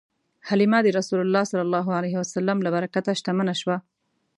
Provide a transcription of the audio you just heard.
حلیمه د رسول الله ﷺ له برکته شتمنه شوه.